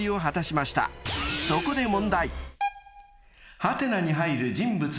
［そこで］